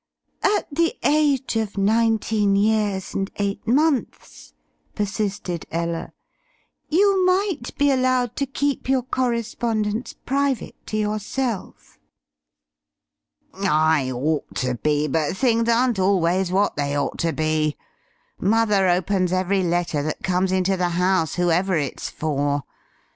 "At the age of nineteen years and eight months," persisted Ella, "you might be allowed to keep your correspondence private to yourself." "I ought to be, but things aren't always what they ought to be. Mother opens every letter that comes into the house, whoever it's for.